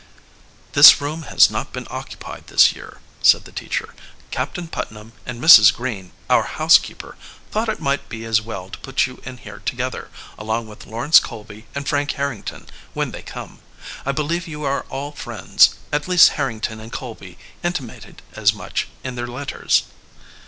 "This room has not been occupied this year," said the teacher. "Captain Putnam and Mrs. Green, our housekeeper, thought it might be as well to put you in here together, along with Lawrence Colby and Frank Harrington, when they come. I believe you are all friends, at least Harrington and Colby intimated as much in their letters."